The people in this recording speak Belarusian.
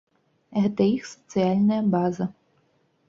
Гэта іх сацыяльная база.